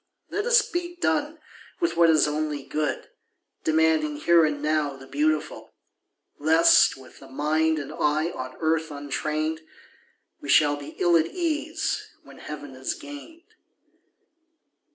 Let us be done with what is only good, Demanding here and now the beautiful; Lest, with the mind and eye on earth untrained, We shall be ill at ease when heaven is gained.